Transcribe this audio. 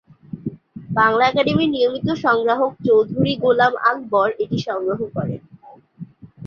বাংলা একাডেমীর নিয়মিত সংগ্রাহক চৌধুরী গোলাম আকবর এটি সংগ্রহ করেন।